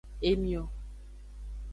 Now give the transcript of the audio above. Emio.